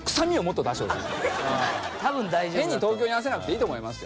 変に東京に合わせなくていいと思いますよ。